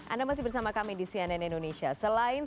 anda masih bersama kami di cnn indonesia